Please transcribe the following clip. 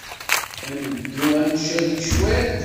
Ad neddu ad ncali cwiṭ?